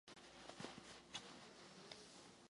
Byl to pro ně hlavní výcvik.